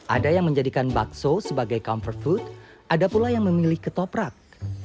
ada yang menjadikan bakso sebagai comfort food ada pula yang memilih ketoprak